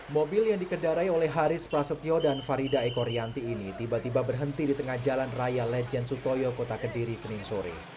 mobil yang dikendarai oleh haris prasetyo dan farida eko rianti ini tiba tiba berhenti di tengah jalan raya lejen sutoyo kota kediri senin sore